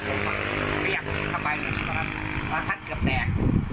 เขาแบบเฟียกเข้าไปแล้วท่านเกือบแตก